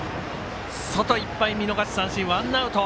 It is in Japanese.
外いっぱい、見逃し三振ワンアウト。